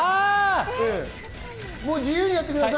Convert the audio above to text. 自由にやってください。